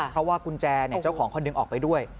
เพราะว่ากุญแจเจ้าของคนหนึ่งออกไปด้วย